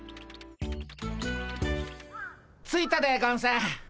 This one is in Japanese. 着いたでゴンス。